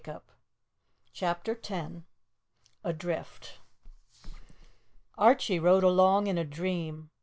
BOOK II CHAPTER X ADRIFT ARCHIE rode along in a dream.